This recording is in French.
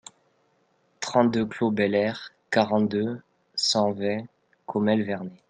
trente-deux clos Bel Air, quarante-deux, cent vingt, Commelle-Vernay